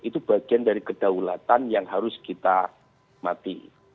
itu bagian dari kedaulatan yang harus kita mati